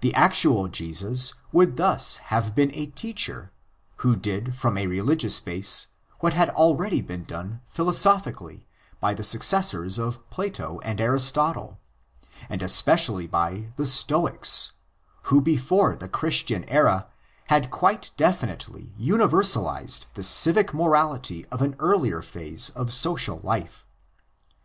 The actual Jesus would thus have been a teacher who did from a religious base what had already been done philosophically by the successors of Plato and Aristotle, and especially by the Stoics, who before the Christian era had quite definitely universalised the civic morality of an earlier phase of social xii PREFACE life.